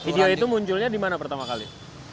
video itu munculnya dimana pertama kali